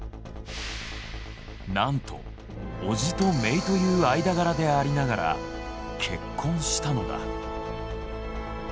なんと叔父とめいという間柄でありながら結婚したのだ。